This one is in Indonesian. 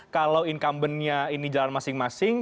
kalau incumbent nya ini jalan masing masing